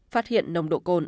phát hiện nồng độ cồn